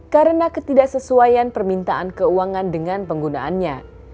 karena ketidaksesuaian permintaan keuangan dengan penggunaannya